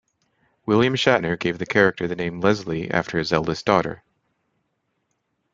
William Shatner gave the character the name Leslie after his eldest daughter.